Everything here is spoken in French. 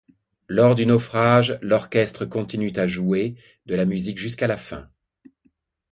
Lors du naufrage, l'orchestre continue à jouer de la musique jusqu'à la fin.